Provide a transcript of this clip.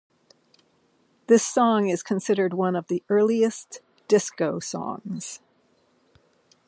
The song is considered one of the earliest disco songs.